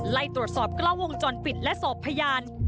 ไล่ตรวจสอบกล้องวงจรปิดและสอบพยาน